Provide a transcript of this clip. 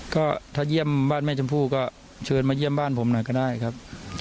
ก็ถ้าเยี่ยมบ้านแม่ชมพู่ก็เชิญมาเยี่ยมบ้านผมหน่อยก็ได้ครับ